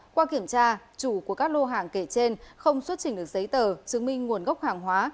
qua kiểm tra chủ của các lô hàng kể trên không xuất trình được giấy tờ chứng minh nguồn gốc hàng hóa